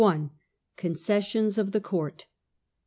Concessions of the Court.